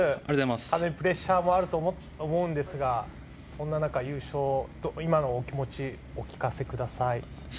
かなりプレッシャーもあると思うんですが、そんな中、優勝、今のお気持ち、お聞かせください。